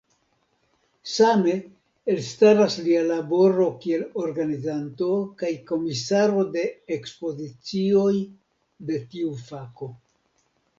Same, elstaras lia laboro kiel organizanto kaj komisaro de ekspozicioj de tiu fako.